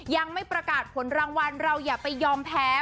ยังไม่ประกาศผลรางวัลเราอย่าไปยอมแพ้